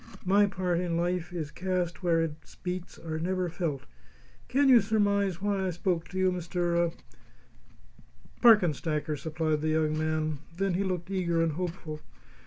My part in life is cast where its beats are never felt. Can you surmise why I spoke to you, Mr. ?" "Parkenstacker," supplied the young man. Then he looked eager and hopeful.